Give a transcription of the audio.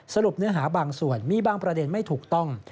เนื้อหาบางส่วนมีบางประเด็นไม่ถูกต้อง